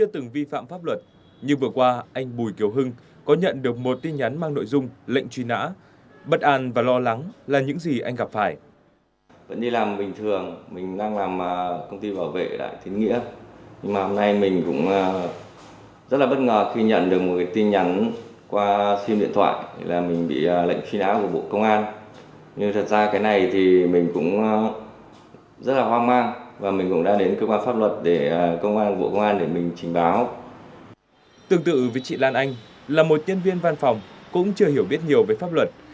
tương tự với chị lan anh là một nhân viên văn phòng cũng chưa hiểu biết nhiều về pháp luật